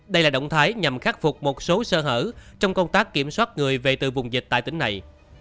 đây là động thái nhằm khắc phục một số sơ hở trong công tác kiểm soát người về từ vùng dịch tại tỉnh này